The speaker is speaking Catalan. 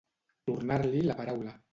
Tornar-li la paraula.